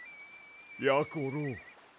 やころ。